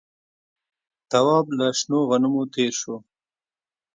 تواب له شنو غنمو تېر شو.